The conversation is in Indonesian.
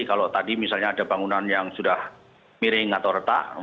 kalau tadi misalnya ada bangunan yang sudah miring atau retak